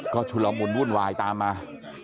ก็ชุลมุนวุ่นวายตามมา